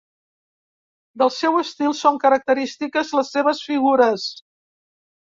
Del seu estil són característiques les seves figures.